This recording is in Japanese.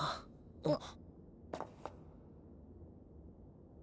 あっ。